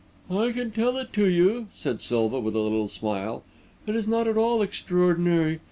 "I can tell it to you," said Silva, with a little smile. "It is not at all extraordinary.